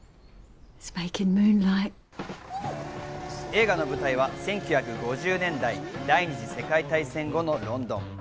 映画の舞台は１９５０年代、第２次世界大戦後のロンドン。